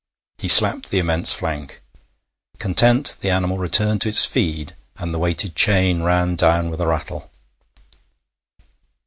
He slapped the immense flank. Content, the animal returned to its feed, and the weighted chain ran down with a rattle.